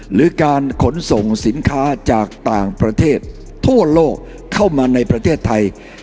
หรือการขนส่งสินค้าจากต่างประเทศทั่วโลกเข้ามาในประเทศไทย